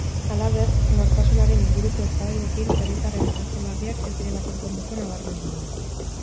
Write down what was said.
Halaber, nortasunaren inguruko eztabaidekin herritarren arazo larriak ez direla konponduko nabarmendu du.